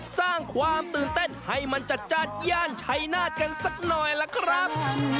สร้างความตื่นเต้นให้มันจัดจ้านย่านชัยนาธกันสักหน่อยล่ะครับ